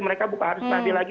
mereka harus tarfi lagi